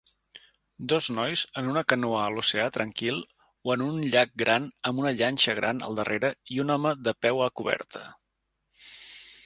Dos nois en una canoa a l'oceà tranquil o en un llac gran amb una llanxa gran al darrere i un home de peu a coberta.